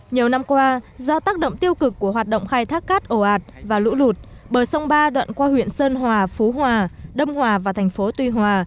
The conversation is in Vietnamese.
nhiều năm qua do tác động tiêu cực của hoạt động khai thác cát ồ ạt và lũ lụt bờ sông ba đoạn qua huyện sơn hòa phú hòa đông hòa và thành phố tuy hòa